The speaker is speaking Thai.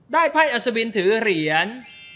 ได้ไพ่อสบินถือเหรียญ